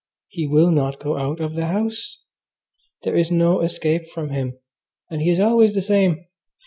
He will not go out of the house. There is no escape from him, and he is always the same.